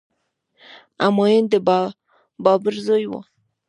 همایون د بابر زوی و.